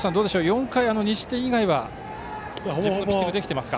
４回、２失点以外は自分のピッチングできていますか。